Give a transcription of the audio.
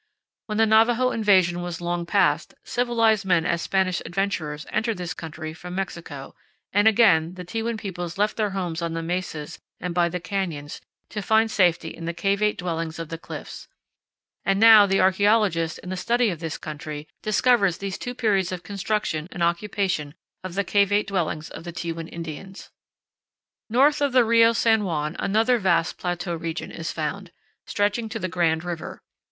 When the Navajo invasion was long past, civilized men as Spanish adventurers entered this country from Mexico, and again the Tewan peoples left their homes on the mesas and by the canyons to find safety in the cavate dwellings of the cliffs; and now the archaeologist in the study of this country discovers these two periods of construction and occupation of the cavate dwellings of the Tewan Indians. North of the Rio San Juan another vast plateau region is found, stretching to the Grand River.